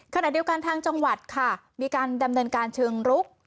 ขณะเดียวกันทางจังหวัดค่ะมีการดำเนินการเชิงรุก